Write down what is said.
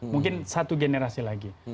mungkin satu generasi lagi